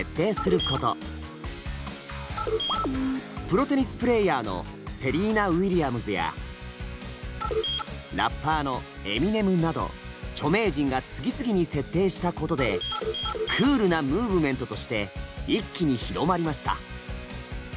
プロテニスプレーヤーのセリーナ・ウィリアムズやラッパーのエミネムなど著名人が次々に設定したことでクールなムーブメントとして一気に広まりました。